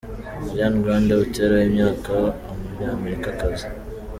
Ariana Grande Butera w'imyaka , Umunyamerikakazi.